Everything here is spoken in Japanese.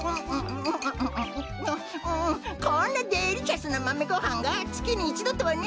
うんこんなデリシャスなマメごはんがつきに１どとはね。